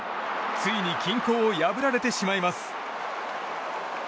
ついに均衡を破られてしまいます。